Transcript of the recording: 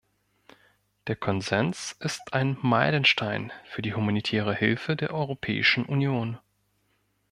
Der Konsens ist ein Meilenstein für die humanitäre Hilfe der Europäischen Union.